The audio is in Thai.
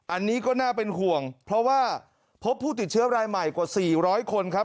อันนี้ก็น่าเป็นห่วงเพราะว่าพบผู้ติดเชื้อรายใหม่กว่า๔๐๐คนครับ